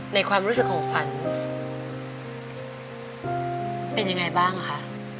ความรู้สึกของขวัญเป็นยังไงบ้างคะ